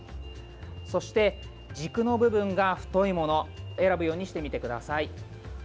そして、軸の部分が太いもの選ぶようしてみてください。